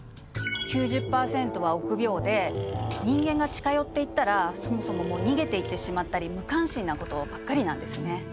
９０％は臆病で人間が近寄っていったらそもそも逃げていってしまったり無関心なことばっかりなんですね。